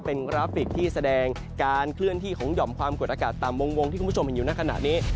เป็นกราฟิกที่แสดงการเคลื่อนที่ของหย่อมความกดอากาศต่ำวงที่คุณผู้ชมเห็นอยู่ในขณะนี้